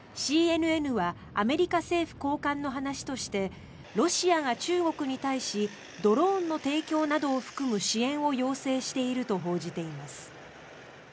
ＣＮＮはアメリカ政府高官の話としてロシアが中国に対しドローンの提供などを含む支援を要請していると報じています。